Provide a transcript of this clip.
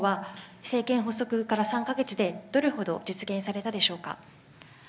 こうした政治手法は、政権発足から３か月でどれほど実現されたでしょうか。